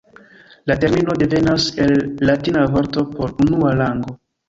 La termino devenas el latina vorto por "unua rango".